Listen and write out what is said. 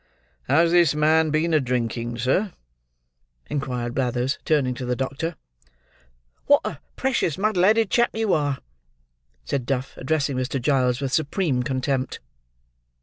"Has this man been a drinking, sir?" inquired Blathers, turning to the doctor. "What a precious muddle headed chap you are!" said Duff, addressing Mr. Giles, with supreme contempt.